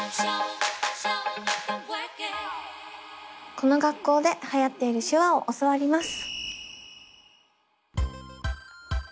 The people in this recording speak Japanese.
この学校ではやっている手話を教わります。